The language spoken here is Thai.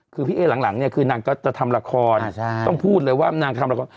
คือพี่เอ๊หลังเนี่ยคือนางก็จะทำละครต้องพูดเลยว่านางทำละคร